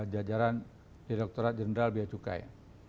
jajaran direkturat jenderal biaya cukai